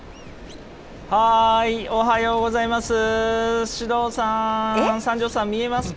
おはようございます。